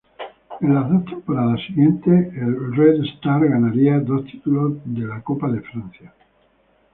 En las dos temporadas siguientes, el Red Star ganaría dos títulos Copa de Francia.